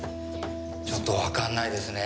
ちょっとわかんないですね。